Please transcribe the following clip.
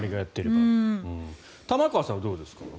玉川さんはどうですか？